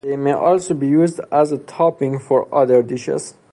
They may also be used as a topping for other dishes.